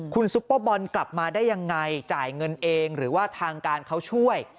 คุณซุปเปอร์บอลกลับมาได้ยังไงจ่ายเงินเองหรือว่าทางการเขาช่วย